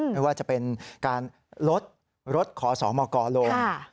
ไม่ว่าจะเป็นการลดลดขอสอเหมาะก่อลง